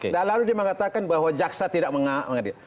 dan lalu dia mengatakan bahwa jaksa tidak mengadil